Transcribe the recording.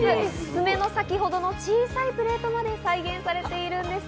爪の先ほどの小さいプレートまで再現されているんです。